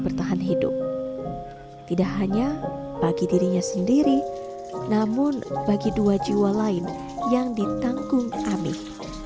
bertahan hidup tidak hanya bagi dirinya sendiri namun bagi dua jiwa lain yang ditanggung amih